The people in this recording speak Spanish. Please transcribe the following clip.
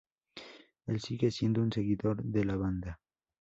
Él sigue siendo un seguidor de la banda.